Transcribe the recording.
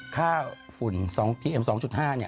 ข้าวฝุ่นพีเอ็ม๒๕นี่